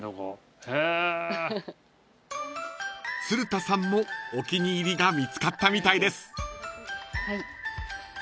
［鶴田さんもお気に入りが見つかったみたいです］